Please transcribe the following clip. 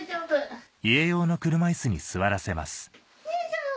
よいしょ！